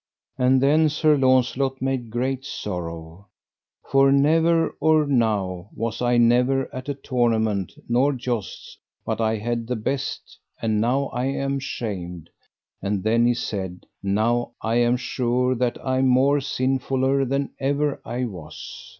And then Sir Launcelot made great sorrow, For never or now was I never at tournament nor jousts but I had the best, and now I am shamed; and then he said: Now I am sure that I am more sinfuller than ever I was.